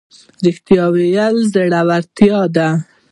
رښتیا ویل زړورتیا ده